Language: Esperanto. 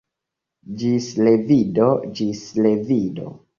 Ĝis revido, ĝis revido!